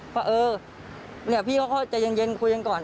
พี่เขาจะเย็นคุยกันก่อน